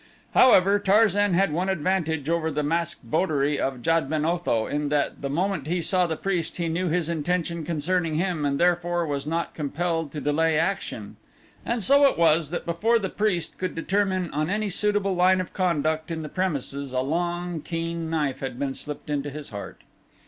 However, Tarzan had one advantage over the masked votary of Jad ben Otho in that the moment he saw the priest he knew his intention concerning him, and therefore was not compelled to delay action. And so it was that before the priest could determine on any suitable line of conduct in the premises a long, keen knife had been slipped into his heart.